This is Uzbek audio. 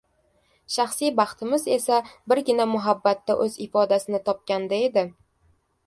shaxsiy baxtimiz esa birgina muhabbatda o‘z ifodasini topganda edi